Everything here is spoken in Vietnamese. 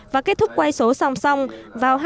và kết thúc quay số song song vào hai mươi ba h năm mươi chín